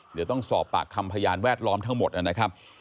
เดี๋ยวต้องสอบปากคำพยานแวดล้อมทั้งหมดนะครับ